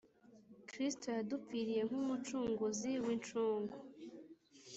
Kristo yadupfiriye nk'umucunguzi w'inshungu: